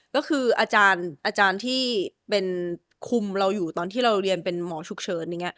ก็คืออาจารย์ที่เป็นคุมเราอยู่ตอนที่เราเรียนเป็นหมอฉุกเฉินอย่างนี้